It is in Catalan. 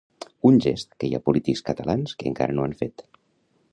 Un gest que hi ha polítics catalans que encara no han fet.